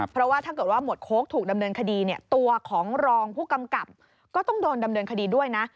เพราะว่าถ้าเกิดว่าหมวดโค้กถูกดำเนินคดีเนี่ยตัวของรองผู้กำกับก็ต้องโดนดำเนินคดีด้วยนะ